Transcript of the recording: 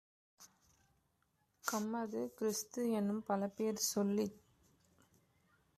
கம்மது, கிறிஸ்து-எனும் பலபேர் சொல்லிச்